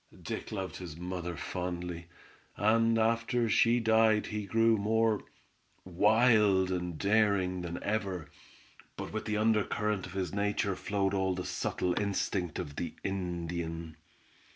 Dick loved his mother fondly, and after she died he grew more wild and daring than ever, but with the undercurrent of his nature flowed all the subtle instinct of the Indian.